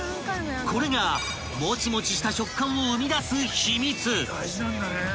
［これがもちもちした食感を生み出す秘密］